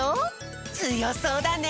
つよそうだね。